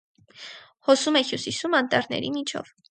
Հոսում է հյուսիսում՝ անտառների միջով։